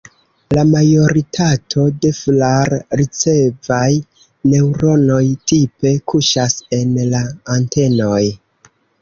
La majoritato de flar-ricevaj neŭronoj tipe kuŝas en la antenoj.